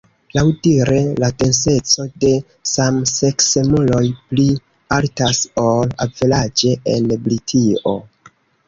Laŭdire la denseco de samseksemuloj pli altas ol averaĝe en Britio.